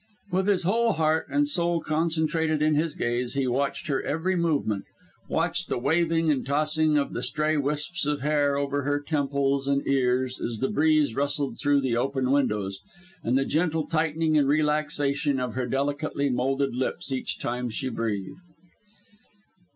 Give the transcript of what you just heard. With his whole heart and soul concentrated in his gaze, he watched her every movement watched the waving and tossing of the stray wisps of hair over her temples and ears, as the breeze rustled through the open windows; and the gentle tightening and relaxation of her delicately moulded lips each time she breathed.